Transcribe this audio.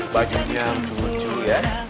bagiannya lucu ya